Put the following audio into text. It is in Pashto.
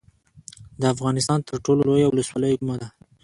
د افغانستان تر ټولو لویه ولسوالۍ کومه ده؟